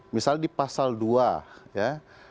misalnya di pasal dua ya